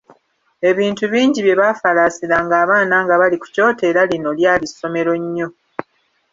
Ebintu bingi bye baafalaasiranga abaana nga bali ku kyoto era lino lyali ssomero nnyo.